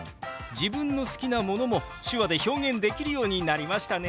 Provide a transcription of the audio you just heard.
自分の好きなものも手話で表現できるようになりましたね。